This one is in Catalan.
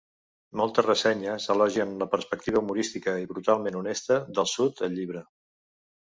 Moltes ressenyes elogien la perspectiva humorística i brutalment honesta del sud al llibre.